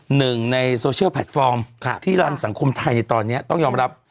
หนึ่งในโซเชียลแพลตฟอร์มที่รันสังคมไทยในตอนนี้ต้องยอมรับ